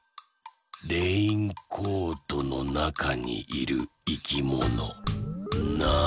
レインコートのなかにいるいきものなんだ？